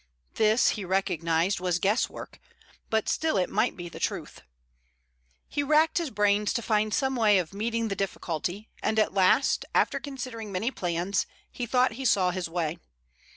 This, he recognized, was guesswork, but still it might be the truth. He racked his brains to find some way of meeting the difficulty, and at last, after considering many plans, he thought he saw his way.